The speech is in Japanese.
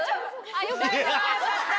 あよかった。